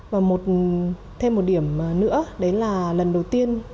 và thêm một điểm nữa đấy là lần đầu tiên